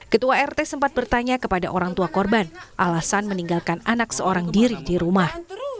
ketua rt sempat bertanya kepada orang tua korban alasan meninggalkan anak seorang diri di rumah